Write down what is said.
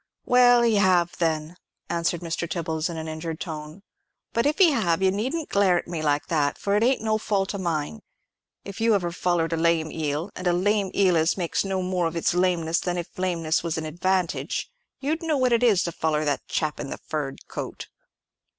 "Well, he have, then," answered Mr. Tibbles, in an injured tone; "but if he have, you needn't glare at me like that, for it ain't no fault of mine. If you ever follered a lame eel—and a lame eel as makes no more of its lameness than if lameness was a advantage—you'd know what it is to foller that chap in the furred coat."